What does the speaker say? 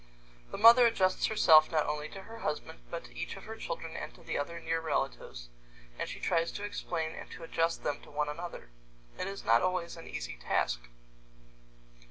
The mother adjusts herself not only to her husband, but to each of her children and to the other near relatives, and she tries to explain and to adjust them to one another. It is not always an easy task.